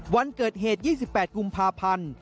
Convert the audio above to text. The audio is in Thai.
วันเกิดเหตุ๒๘กุมภาพันธ์